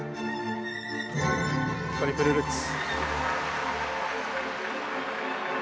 トリプルルッツ。